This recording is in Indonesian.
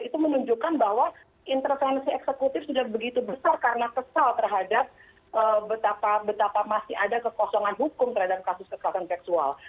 itu menunjukkan bahwa intervensi eksekutif sudah begitu besar karena kesal terhadap betapa masih ada kekosongan hukum terhadap kasus kekerasan seksual